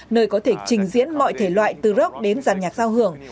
nơi có thể trình diễn mọi thể loại từ rock đến giàn nhạc giao hưởng